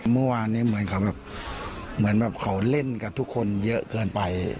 เมื่อวานนี้เหมือนเขาเล่นกับทุกคนเยอะเกินไป